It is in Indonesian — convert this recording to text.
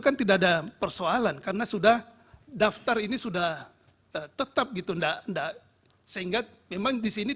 kan tidak ada persoalan karena sudah daftar ini sudah tetap gitu enggak enggak sehingga memang disini